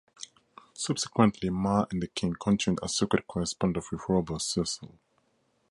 Subsequently, Mar and the King continued a secret correspondence with Robert Cecil.